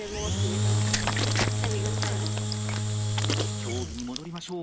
競技に戻りましょう。